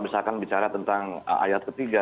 misalkan bicara tentang ayat ketiga